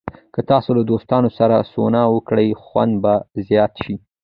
که تاسو له دوستانو سره سونا وکړئ، خوند به زیات شي.